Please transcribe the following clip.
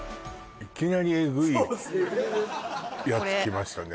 いきなりエグいやつきましたね